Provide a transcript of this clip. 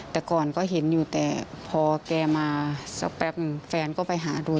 แต่ก่อนก็เห็นอยู่แต่พอแกมาฟันฝังก็ไปหาดู